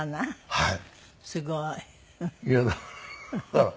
はい。